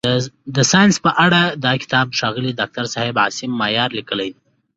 د ساینس په اړه دا کتاب ښاغلي داکتر صاحب عاصم مایار لیکلی.